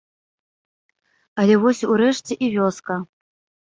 Але вось урэшце і вёска.